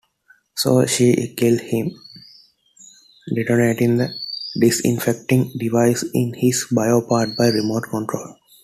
So she kills him, detonating the disinfecting device in his bioport by remote control.